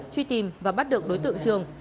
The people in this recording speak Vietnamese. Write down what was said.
truy tìm và bắt được đối tượng trường